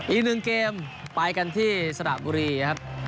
อีกหนึ่งเกมไปกันที่สระบุรีครับ